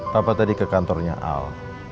tanpa tadi ke kantornya al